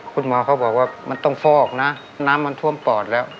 คุณหมอเขาบอกว่ามันต้องฟอกนะน้ำมันท่วมปอดแล้ว